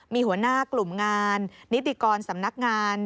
มีหัวหน้ากลุ่มงานนิติกรสำนักงาน